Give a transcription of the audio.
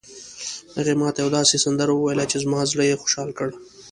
هغې ما ته یوه داسې سندره وویله چې زما زړه یې خوشحال کړ